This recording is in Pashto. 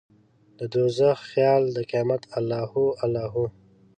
ددوږخ د خیال قیامته الله هو، الله هو